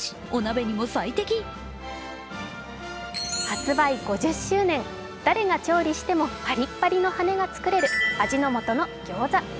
発売５０周年誰が調理してもパリッパリの羽根が作れる味の素のギョーザ。